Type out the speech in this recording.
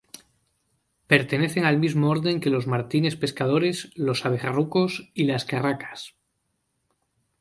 Pertenecen al mismo orden que los martines pescadores, los abejarucos y las carracas.